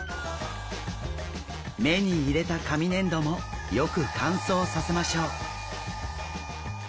目に入れた紙粘土もよく乾燥させましょう。